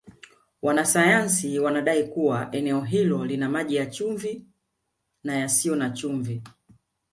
Wanasayansi wanadai kuwa eneo hilo lina maji yenye chumvi na yasiyo na chumvi